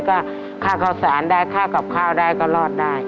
ก็ค่าข้าวสารได้ค่ากับข้าวได้ก็รอดได้